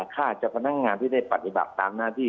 ฆ่าเจ้าพนักงานที่ได้ปฏิบัติตามหน้าที่